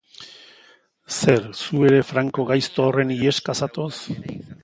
Zer, zu ere Franco gaizto horren iheska zatoz?